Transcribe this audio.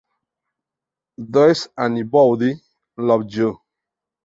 Does Anybody Love You?